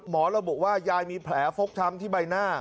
หมอเราบอกว่ายายมีแผลฟกทำที่ใบหน้า